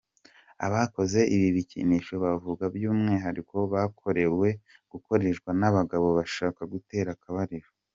Abakoze ibi bikinisho bavuga by’umwihariko bwakoreye gukoreshwa n’abagabo bashaka gutera akabariro.